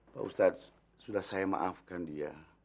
pak ustadz sudah saya maafkan dia